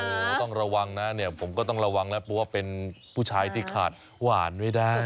โอ้โหต้องระวังนะเนี่ยผมก็ต้องระวังแล้วเพราะว่าเป็นผู้ชายที่ขาดหวานไม่ได้